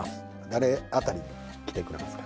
誰あたり来てくれますか？